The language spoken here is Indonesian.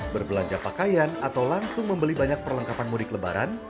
berbelanja pakaian atau langsung membeli banyak perlengkapan mudik lebaran